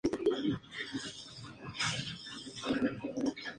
Es una hierba erecta, perenne por medio de rizomas, con pelos glandulares.